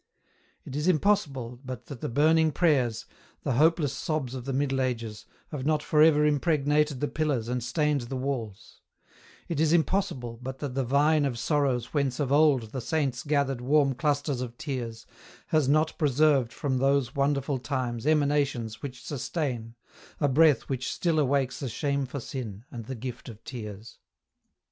It is im possible but that the burning prayers, the hopeless sobs of the Middle Ages, have not for ever impregnated the pillars and stained the walls ; it is impossible but that the vine of sorrows whence of old the Saints gathered warm clusters of tears, has not preserved from those wonderful times emanations which sustain, a breath which still awakes a shame for sin, and the gift of tears.